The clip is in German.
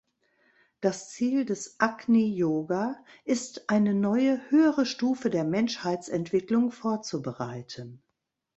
Das Ziel des Agni Yoga ist, eine neue, höhere Stufe der Menschheitsentwicklung vorzubereiten.